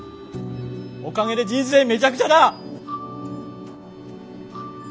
おかげで人生めちゃくちゃだ！